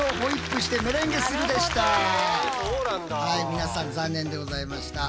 皆さん残念でございました。